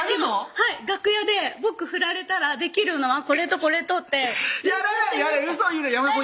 はい楽屋で「僕振られたらできるのはこれとこれと」ってやらないウソ言うのやめなさい